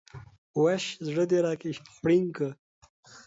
وش ﺯړه د راکي خوړين که